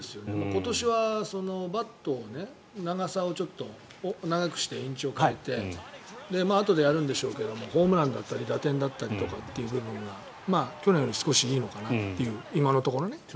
今年はバットの長さをちょっと長くしてインチを変えてあとでやるんでしょうけどホームランだったり打点だったりという部分が去年より少しいいのかなと今のところね。